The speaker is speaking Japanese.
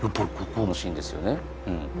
このシーンですよね。